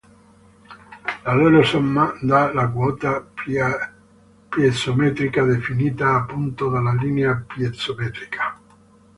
La loro somma dà la quota piezometrica, definita appunto dalla linea piezometrica.